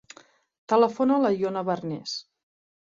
Telefona a l'Iona Barnes.